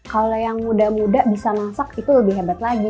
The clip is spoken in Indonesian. kalau yang muda muda bisa masak itu lebih hebat lagi